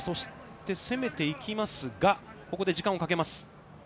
攻めていきますが、ここで時間をかけます。